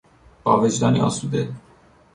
با وجدانی آسوده